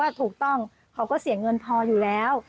ถูกต้องเขาก็เสียเงินพออยู่แล้ว